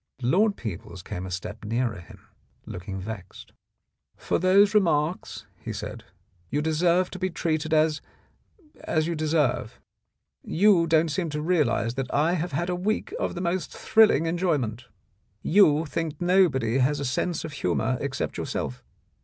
Lord Peebles came a step nearer him, looking vexed. "For those remarks," he said, "you deserve to be treated as — as you deserve. You don't seem to realize that I have had a week of the most thrilling enjoyment. You think that nobody has a sense of humour except yourself.